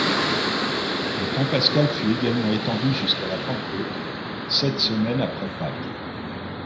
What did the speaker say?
Le temps pascal fut également étendu jusqu'à la Pentecôte, sept semaines après Pâques.